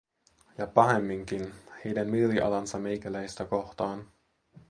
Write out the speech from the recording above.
Ja pahemminkin: heidän mielialansa meikäläistä kohtaan.